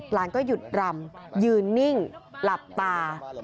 หลานก็หยุดรำยืนนิ่งหลับตา